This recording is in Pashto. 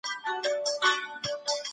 حقوقپوهان ولي د رایې ورکولو حق تضمینوي؟